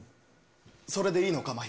それでいいのか、真宙。